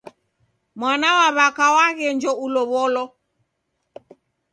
Mwana wa w'aka waghenjwa ulow'olo!